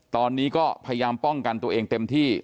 ตอนนี้ก็พยายามป้องกันตัวเองเต็มที่